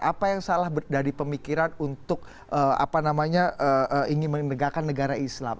apa yang salah dari pemikiran untuk ingin menegakkan negara islam